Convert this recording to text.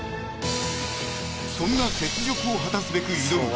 ［そんな雪辱を果たすべく挑む